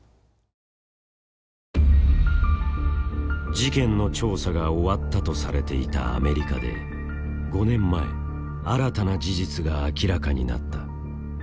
事件の調査が終わったとされていたアメリカで５年前新たな事実が明らかになった。